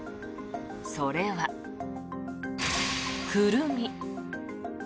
それはクルミ。